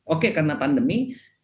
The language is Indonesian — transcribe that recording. oke karena pandemi